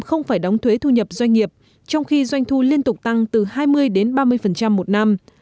không phải đóng thuế thu nhập doanh nghiệp trong khi doanh thu liên tục tăng từ hai mươi đến ba mươi một năm